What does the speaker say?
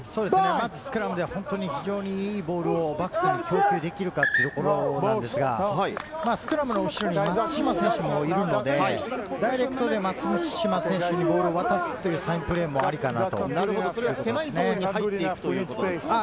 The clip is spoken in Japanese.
まずスクラムでは、いいボールをバックスに展開できるかというところだと思うんですが、スクラムの後ろに松島選手もいるので、ダイレクトで松島選手にボールを渡すというサインプレーもありかなって。